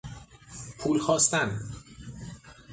پول خواستن